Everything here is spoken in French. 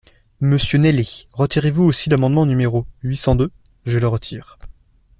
Monsieur Naillet, retirez-vous aussi l’amendement numéro huit cent deux ? Je le retire.